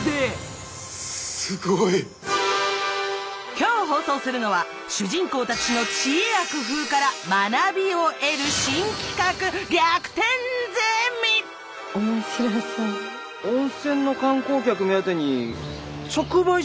今日放送するのは主人公たちの知恵や工夫から学びを得る面白そう。